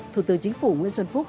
thủ tướng chính phủ nguyễn xuân phúc